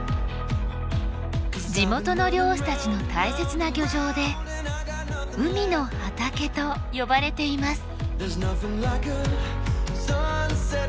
地元の漁師たちの大切な漁場で海の畑と呼ばれています。